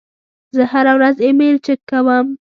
زه هره ورځ ایمیل چک کوم.